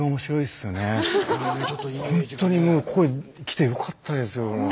本当にもうここへ来てよかったですよ。